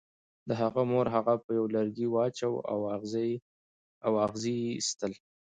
د هغه مور هغه په یوه لرګي واچاو او اغزي یې ایستل